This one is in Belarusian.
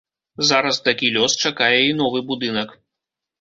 Зараз такі лёс чакае і новы будынак.